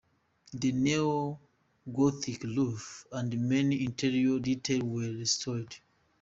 The neo-Gothic roof and many interior details were restored.